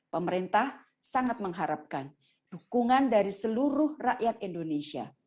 pemerintah sangat mengharapkan dukungan dari seluruh rakyat indonesia